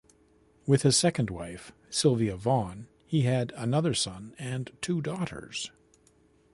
With his second wife, Sylvia Vaughan, he had another son and two daughters.